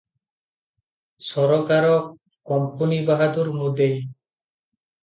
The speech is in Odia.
ସରକାର କମ୍ପୁନୀ ବାହାଦୂର ମୁଦେଇ ।